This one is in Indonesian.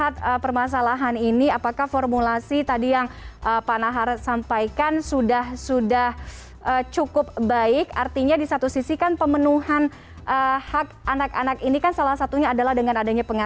termasuk kebutuhan kebutuhan lainnya